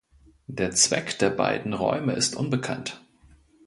Der Zweck der beiden Räume ist unbekannt.